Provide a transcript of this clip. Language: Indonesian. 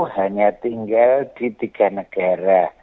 hanya tinggal di tiga negara